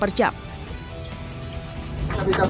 keren gak sih